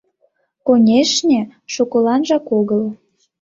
Конешне, шукыланжак огыл.